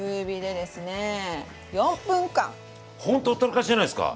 これでほんとほったらかしじゃないですか。